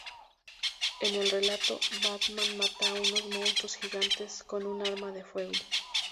En el relato, Batman mata a unos monstruos gigantes con un arma de fuego.